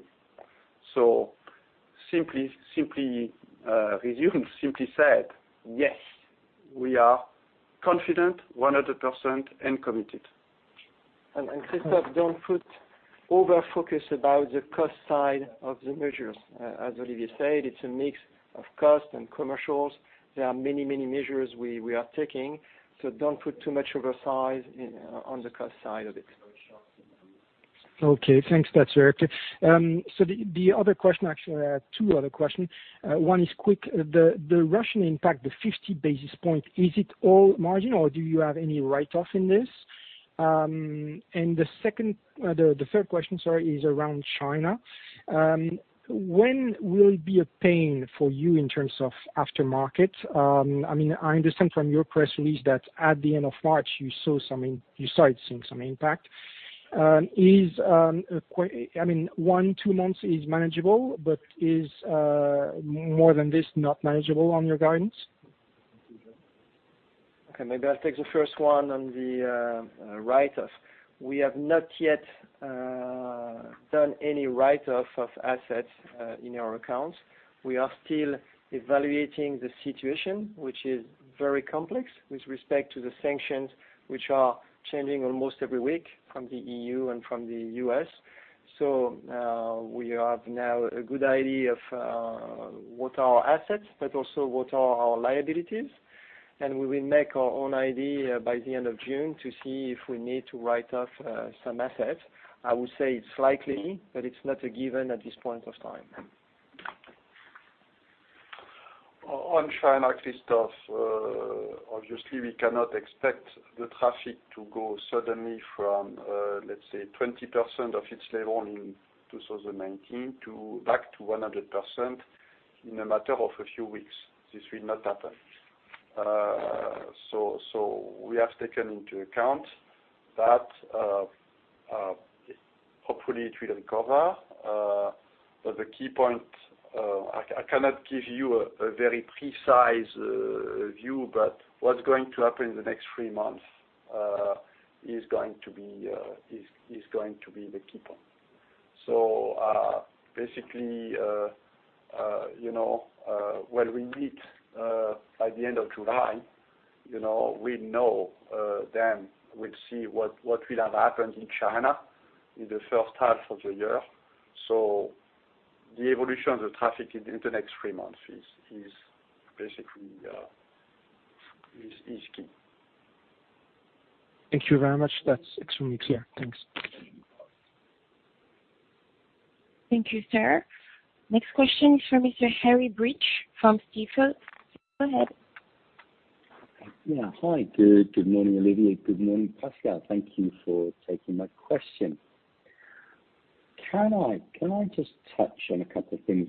Simply said, yes, we are confident 100% and committed. Christophe, don't put over focus about the cost side of the measures. As Olivier said, it's a mix of cost and commercials. There are many measures we are taking, so don't put too much of a size in, on the cost side of it. Okay. Thanks. That's very clear. The other question, actually, I have two other questions. One is quick. The Russian impact, the 50 basis point, is it all margin or do you have any write-off in this? The second, the third question, sorry, is around China. When will it be a pain for you in terms of aftermarket? I mean, I understand from your press release that at the end of March you started seeing some impact. I mean, one, two months is manageable, but is more than this not manageable on your guidance? Okay, maybe I'll take the first one on the write-off. We have not yet done any write-off of assets in our accounts. We are still evaluating the situation, which is very complex with respect to the sanctions which are changing almost every week from the EU and from the U.S. We have now a good idea of what are our assets, but also what are our liabilities. We will make our own idea by the end of June to see if we need to write off some assets. I would say it's likely, but it's not a given at this point of time. On China, Christophe, obviously we cannot expect the traffic to go suddenly from, let's say, 20% of its level in 2019 to back to 100% in a matter of a few weeks. This will not happen. We have taken into account that hopefully it will recover. But the key point, I cannot give you a very precise view, but what's going to happen in the next three months is going to be the key point. Basically, you know, when we meet by the end of July, you know, we know then we'll see what will have happened in China in the first half of the year. The evolution of the traffic in the next three months is basically key. Thank you very much. That's extremely clear. Thanks. Thank you, sir. Next question is from Mr. Harry Breach from Stifel. Go ahead. Yeah. Hi, Good morning, Olivier. Good morning, Pascal. Thank you for taking my question. Can I just touch on a couple of things?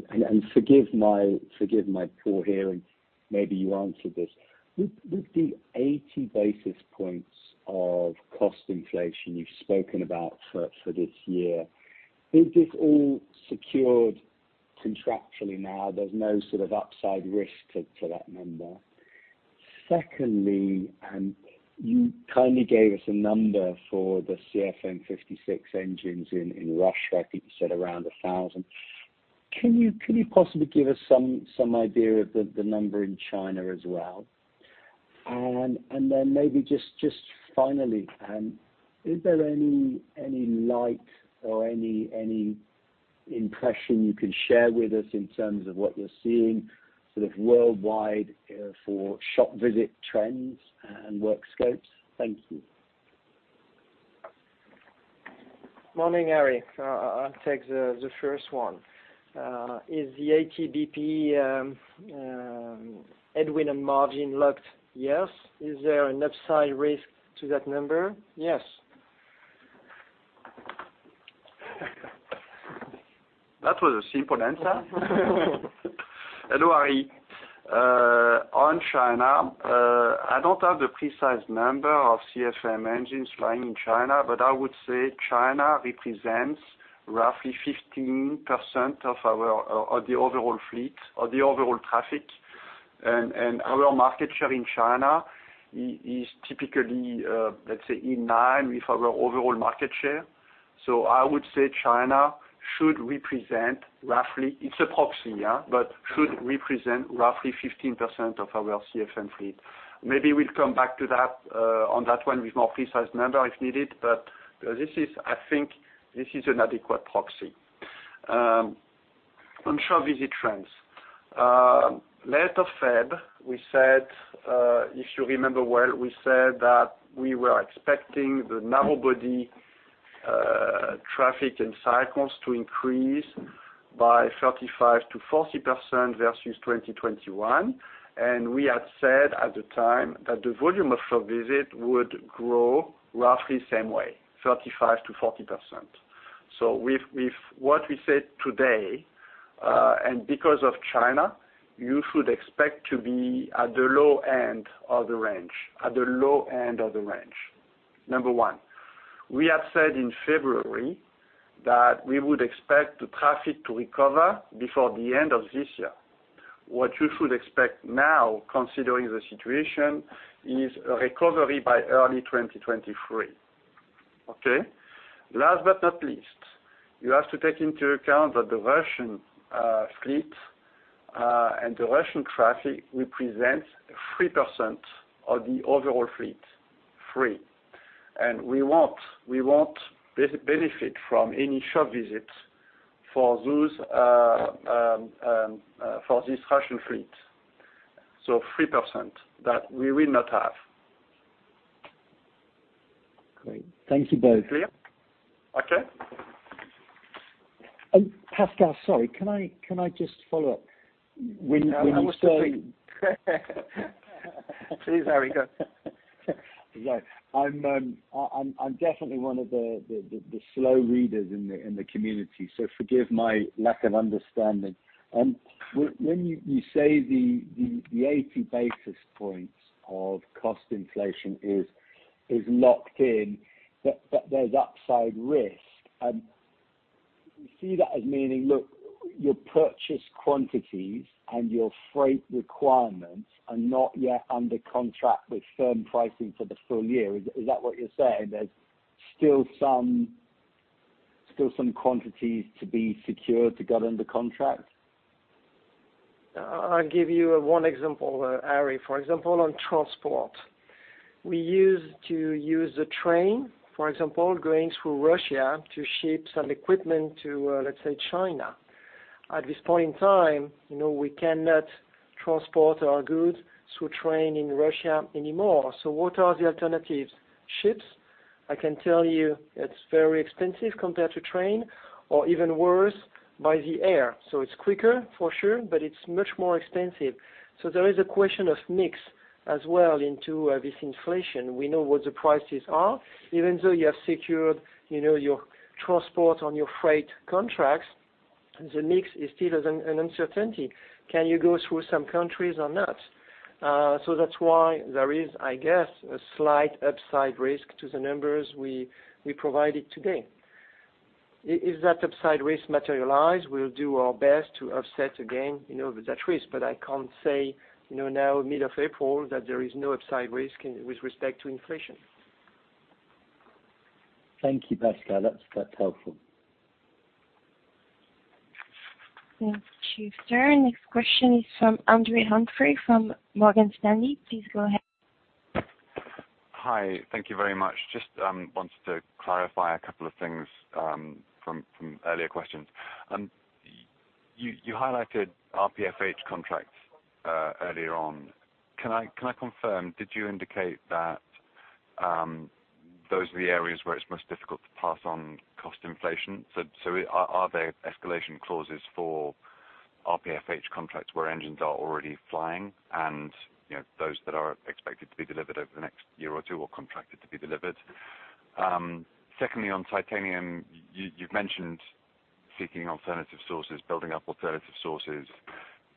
Forgive my poor hearing, maybe you answered this. With the 80 basis points of cost inflation you've spoken about for this year, is this all secured contractually now, there's no sort of upside risk to that number? Secondly, you kindly gave us a number for the CFM56 engines in Russia, I think you said around 1,000. Can you possibly give us some idea of the number in China as well? Then maybe just finally, is there any light or any impression you can share with us in terms of what you're seeing sort of worldwide for shop visit trends and work scopes? Thank you. Morning, Harry. I'll take the first one. Is the EBITDA margin locked? Yes. Is there an upside risk to that number? Yes. That was a simple answer. Hello, Harry. On China, I don't have the precise number of CFM engines flying in China, but I would say China represents roughly 15% of our overall fleet, of the overall traffic. Our market share in China is typically, let's say in line with our overall market share. I would say China should represent roughly, it's a proxy, yeah, but should represent roughly 15% of our CFM fleet. Maybe we'll come back to that, on that one with more precise number if needed, but this is, I think, an adequate proxy. On shop visit trends. Late February, we said, if you remember well, we said that we were expecting the narrowbody, traffic and cycles to increase by 35%-40% versus 2021. We had said at the time that the volume of shop visit would grow roughly the same way, 35%-40%. With what we said today, and because of China, you should expect to be at the low end of the range. Number one. We had said in February that we would expect the traffic to recover before the end of this year. What you should expect now, considering the situation, is a recovery by early 2023. Okay. Last but not least, you have to take into account that the Russian fleet and the Russian traffic represents 3% of the overall fleet. Three. We won't benefit from any shop visits for those for this Russian fleet. Three percent that we will not have. Great. Thank you both. Clear? Okay. Pascal, sorry, can I just follow up? When you say- Please, Harry, go. Right. I'm definitely one of the slow readers in the community, so forgive my lack of understanding. When you say the 80 basis points of cost inflation is locked in, but there's upside risk, do you see that as meaning, look, your purchase quantities and your freight requirements are not yet under contract with firm pricing for the full year? Is that what you're saying? There's still some quantities to be secured to get under contract? I'll give you one example, Harry. For example, on transport. We used to use the train, for example, going through Russia to ship some equipment to, let's say, China. At this point in time, you know, we cannot transport our goods through train in Russia anymore. What are the alternatives? Ships, I can tell you it's very expensive compared to train or even worse by the air. It's quicker for sure, but it's much more expensive. There is a question of mix as well into this inflation. We know what the prices are. Even though you have secured, you know, your transport on your freight contracts, the mix is still an uncertainty. Can you go through some countries or not? That's why there is, I guess, a slight upside risk to the numbers we provided today. If that upside risk materialize, we'll do our best to offset again, you know, with that risk. I can't say, you know, now mid of April that there is no upside risk in with respect to inflation. Thank you, Pascal. That's helpful. Thank you, sir. Next question is from Andrew Humphrey from Morgan Stanley. Please go ahead. Hi. Thank you very much. Just wanted to clarify a couple of things from earlier questions. You highlighted RPFH contracts earlier on. Can I confirm, did you indicate that those are the areas where it's most difficult to pass on cost inflation? Are there escalation clauses for RPFH contracts where engines are already flying and those that are expected to be delivered over the next year or two or contracted to be delivered? Secondly, on titanium, you've mentioned seeking alternative sources, building up alternative sources.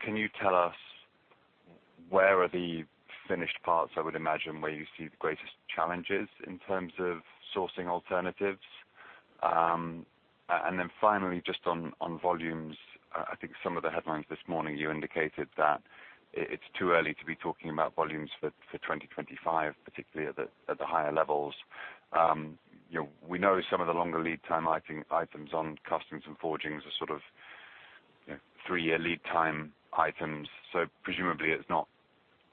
Can you tell us where are the finished parts, I would imagine, where you see the greatest challenges in terms of sourcing alternatives? Finally, just on volumes, I think some of the headlines this morning you indicated that it's too early to be talking about volumes for 2025, particularly at the higher levels. You know, we know some of the longer lead time items on castings and forgings are sort of, you know, three-year lead time items, so presumably it's not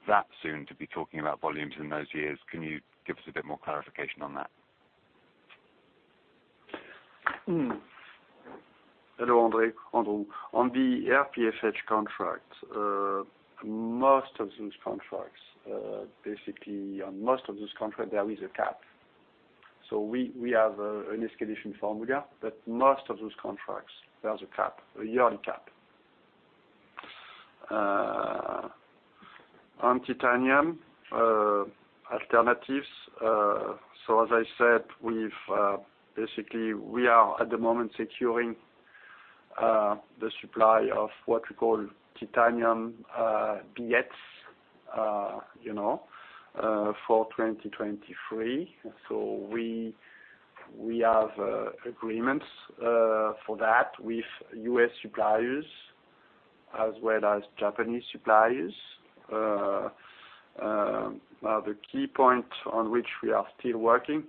that soon to be talking about volumes in those years. Can you give us a bit more clarification on that? Hello, Andrew. On the RPFH contract, most of those contracts, there is a cap. We have an escalation formula, but most of those contracts, there's a cap, a year cap. On titanium alternatives, as I said, we are at the moment securing the supply of what we call titanium billets, you know, for 2023. We have agreements for that with U.S. suppliers as well as Japanese suppliers. The key point on which we are still working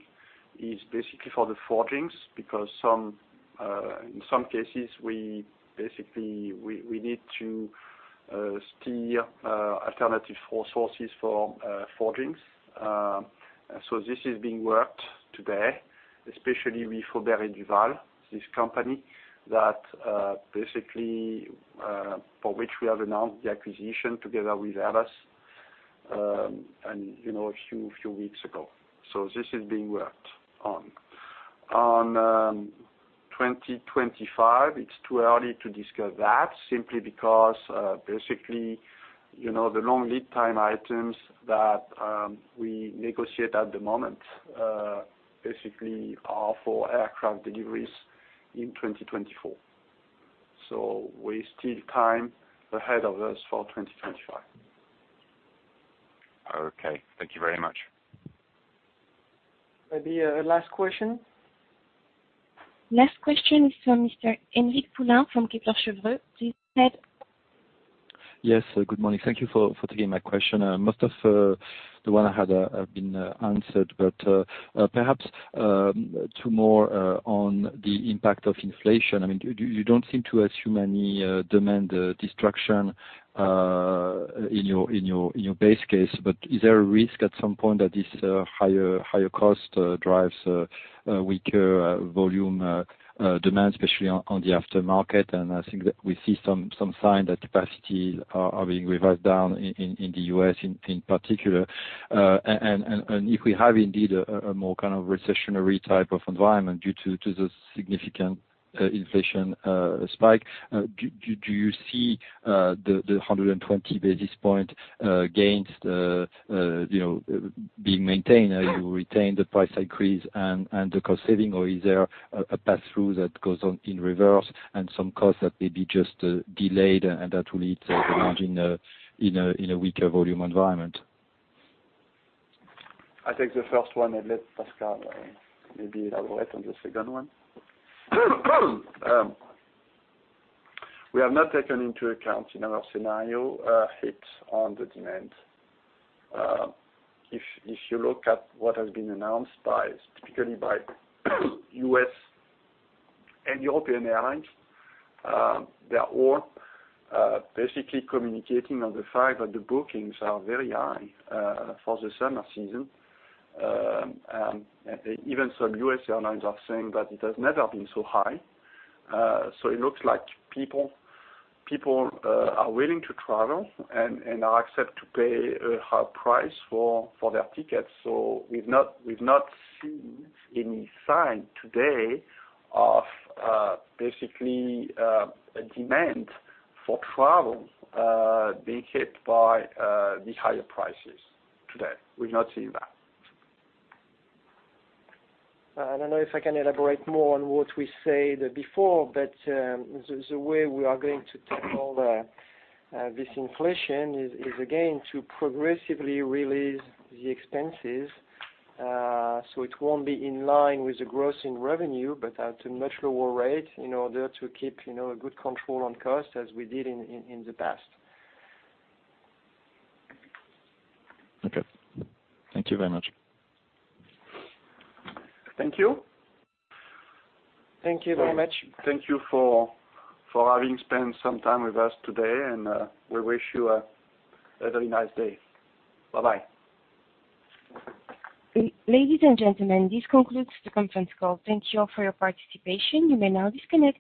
is basically for the forgings, because in some cases we need to source alternative sources for forgings. This is being worked today, especially with Aubert & Duval, this company that, basically, for which we have announced the acquisition together with Airbus, you know, a few weeks ago. This is being worked on. In 2025, it's too early to discuss that simply because, basically, you know, the long lead time items that we negotiate at the moment, basically are for aircraft deliveries in 2024. We still time ahead of us for 2025. Okay. Thank you very much. Maybe last question. Last question is from Mr. Aymeric Poulain from Kepler Cheuvreux. Please go ahead. Yes. Good morning. Thank you for taking my question. Most of the one I had have been answered, but perhaps two more on the impact of inflation. I mean, you don't seem to assume any demand destruction in your base case, but is there a risk at some point that this higher cost drives a weaker volume demand, especially on the aftermarket? I think that we see some sign that capacities are being revised down in the U.S. in particular. If we have indeed a more kind of recessionary type of environment due to the significant inflation spike, do you see the 120 basis point gains you know being maintained as you retain the price increase and the cost saving, or is there a pass-through that goes on in reverse and some costs that may be just delayed and that will eat away in a weaker volume environment? I take the first one and let Pascal maybe elaborate on the second one. We have not taken into account in our scenario a hit on the demand. If you look at what has been announced by, particularly by U.S. and European airlines, they are all basically communicating on the fact that the bookings are very high for the summer season. Even some U.S. airlines are saying that it has never been so high. It looks like people are willing to travel and are accepting to pay a high price for their tickets. We've not seen any sign today of basically a demand for travel being hit by the higher prices today. We've not seen that. I don't know if I can elaborate more on what we said before, but the way we are going to tackle this inflation is again to progressively release the expenses. So it won't be in line with the growth in revenue, but at a much lower rate in order to keep, you know, a good control on cost as we did in the past. Okay. Thank you very much. Thank you. Thank you very much. Thank you for having spent some time with us today, and we wish you a very nice day. Bye-bye. Ladies and gentlemen, this concludes the conference call. Thank you all for your participation. You may now disconnect.